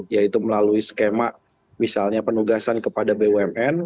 yaitu melalui skema misalnya penugasan kepada bumn